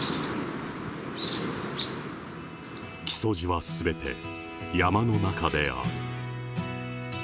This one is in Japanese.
木曽路はすべて山の中である。